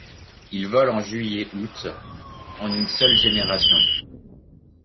Il vole en juillet août en une seule génération.